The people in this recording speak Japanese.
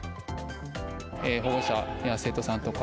保護者や生徒さんとか、